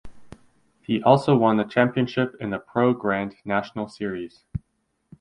He also won the championship in the Pro Grand National Series.